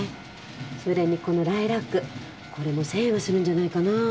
それにこのライラックこれも１０００円はするんじゃないかな。